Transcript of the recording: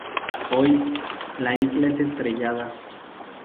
Hoy, la Isla Estrellada.